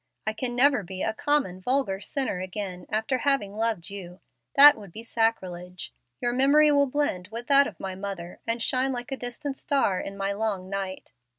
I can never be a common, vulgar sinner again, after having loved you. That would be sacrilege. Your memory will blend with that of my mother, and shine like a distant star in my long night.